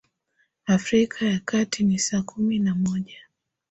afrika ya kati ni saa kumi na moja